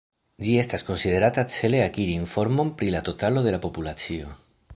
Ĝi estas konsiderata cele akiri informon pri la totalo de la populacio.